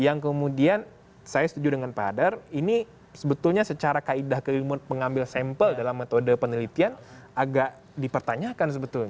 yang kemudian saya setuju dengan pak hadar ini sebetulnya secara kaidah kelimut mengambil sampel dalam metode penelitian agak dipertanyakan sebetulnya